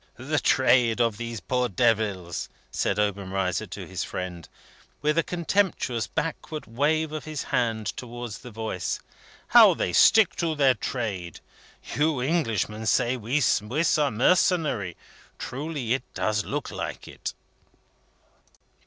"The trade of these poor devils!" said Obenreizer to his friend, with a contemptuous backward wave of his hand towards the voice. "How they stick to their trade! You Englishmen say we Swiss are mercenary. Truly, it does look like it."